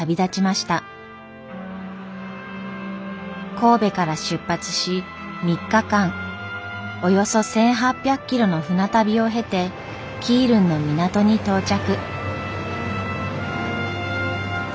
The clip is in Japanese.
神戸から出発し３日間およそ１，８００キロの船旅を経て基隆の港に到着。